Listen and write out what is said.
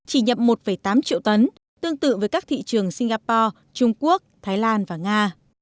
chỉ nhập một tám triệu tấn tương tự với các thị trường singapore trung quốc thái lan và nga